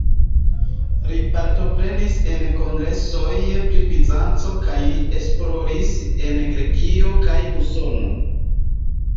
Li partoprenis en kongresoj pri Bizanco kaj li esploris en Grekio kaj Usono.